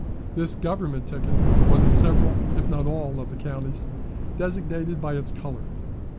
"This Government ticket was in several, if not all, of those counties designated by its color.